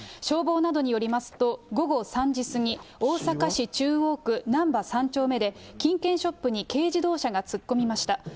消防などによりますと、午後３時過ぎ、大阪市中央区難波３丁目で、金券ショップに軽自動車が突っ込みました。